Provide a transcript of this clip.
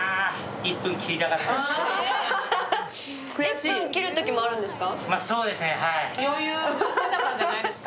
１分切るときもあるんですか。